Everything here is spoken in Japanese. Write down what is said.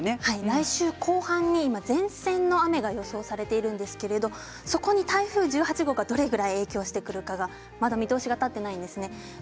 来週後半に今、前線の雨が予想されてるんですがそこに台風１８号がどれぐらい影響してくるかがまだ見通しが立っていないんです。